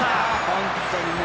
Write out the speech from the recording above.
本当にね。